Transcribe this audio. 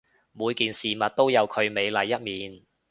每件事物都有佢美麗一面